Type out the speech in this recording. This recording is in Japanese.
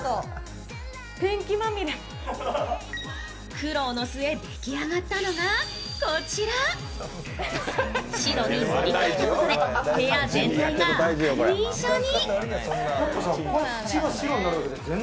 苦労の末、出来上がったのがこちら白に塗り替えたことで部屋全体が明るい印象に。